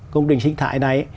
công trình sinh thải này